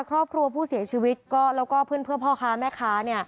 ครอบครัวผู้เสียชีวิตก็แล้วก็เพื่อนพ่อค้าแม่ค้า